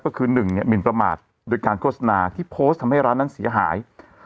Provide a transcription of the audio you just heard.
ก็คือ๑หมินประมาทโดยการโฆษณาที่โพสต์ทำให้ร้านนั้นเสียหาย